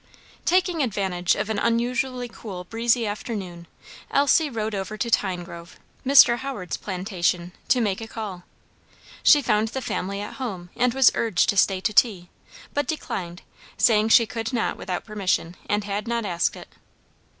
Taking advantage of an unusually cool breezy afternoon, Elsie rode over to Tinegrove, Mr. Howard's plantation to make a call. She found the family at home and was urged to stay to tea; but declined, saying she could not without permission, and had not asked it.